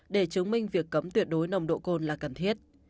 để chứng minh việc cấm tuyệt đối nồng độ cồn là cần thiết